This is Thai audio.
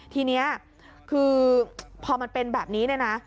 ทีนี้คือพอมันเป็นแบบนี้เนี่ยนะ